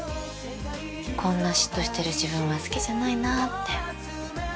こんな嫉妬してる自分は好きじゃないなって。